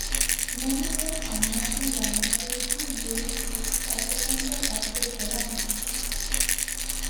Many face animation languages are used to describe the content of facial animation.